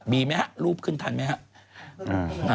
มีไหมฮะรูปขึ้นทันไหมครับ